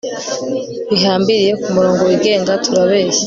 bihambiriye kumurongo wigenga, turabeshya